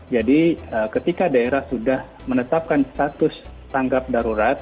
jadi ketika daerah sudah menetapkan status tangkap darurat